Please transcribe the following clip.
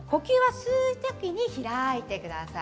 吸う時に開いてください。